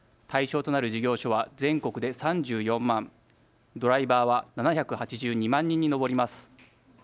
対象となる事業所は全国で３４万、ドライバーは７８２万人に上ります。